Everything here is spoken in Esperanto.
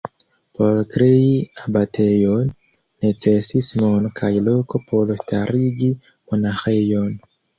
Por krei abatejon, necesis mono kaj loko por starigi monaĥejon.